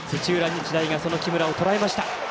日大がその木村をとらえました。